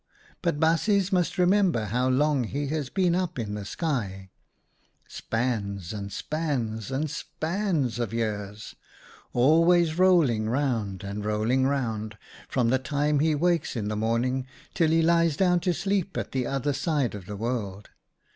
But baasjes must remember how long he has been up in the sky — spans, and spans, and spans of years, always rolling round, and rolling round, from the time he THE SUN 59 wakes in the morning till he lies down to sleep at the other side of the world.